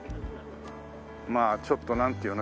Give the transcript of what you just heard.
まあちょっとなんていうの？